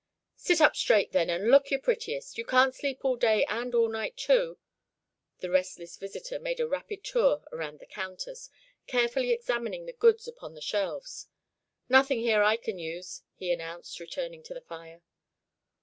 "Sit up straight, then, and look your prettiest. You can't sleep all day and all night, too." The restless visitor made a rapid tour around the counters, carefully examining the goods upon the shelves. "Nothing here I can use," he announced, returning to the fire.